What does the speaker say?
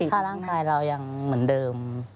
ถ้าร่างกายเรายังเหมือนเดิม